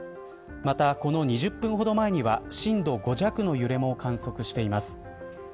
また、この２０分ほど前には震度５弱の揺れも観測しています。